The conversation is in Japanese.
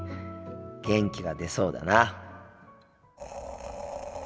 元気が出そうだな。